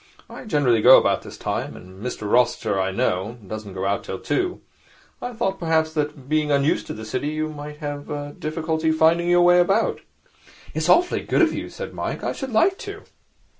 I generally go about this time, and Mr Rossiter, I know, does not go out till two. I thought perhaps that, being unused to the City, you might have some difficulty in finding your way about.' 'It's awfully good of you,' said Mike. 'I should like to.'